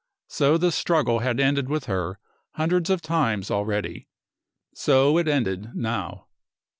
So the struggle had ended with her hundreds of times already. So it ended now.